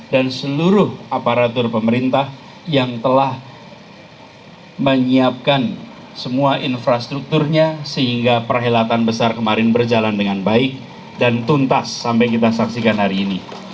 dan seluruh aparatur pemerintah yang telah menyiapkan semua infrastrukturnya sehingga perhelatan besar kemarin berjalan dengan baik dan tuntas sampai kita saksikan hari ini